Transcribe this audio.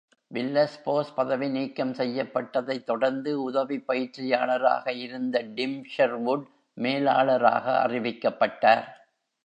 வில்லஸ்-போஸ் பதவி நீக்கம் செய்யப்பட்டதைத் தொடர்ந்து உதவி பயிற்சியாளராக இருந்த டிம் ஷெர்வுட் மேலாளராக அறிவிக்கப்பட்டார்.